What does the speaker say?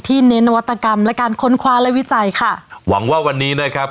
เน้นนวัตกรรมและการค้นคว้าและวิจัยค่ะหวังว่าวันนี้นะครับ